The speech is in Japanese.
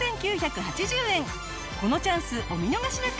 このチャンスお見逃しなく。